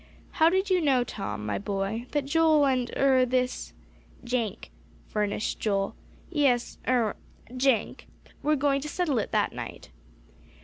"How did you know, Tom, my boy, that Joel and er this " "Jenk," furnished Joel. "Yes er Jenk, were going to settle it that night?"